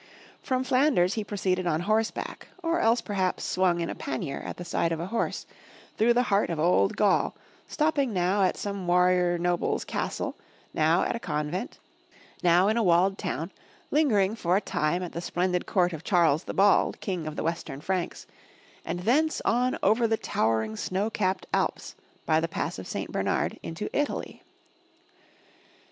From Flan ders he proceeded on horseback, or else perhaps swung in a pannier at the side of a horse, through the heart of Old Gaul, stopping now at some warrior noble's castle, now at a convent, now in a St MY BOOK HOUSE walled town, lingering for a time at the splendid court of Charles the Bald, King of the Western Franks, and thence on over the towering, snow capped Alps, by the Pass of St. Bernard, into Italy.